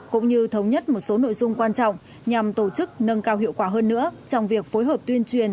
cũng như thống nhất một số nội dung quan trọng nhằm tổ chức nâng cao hiệu quả hơn nữa trong việc phối hợp tuyên truyền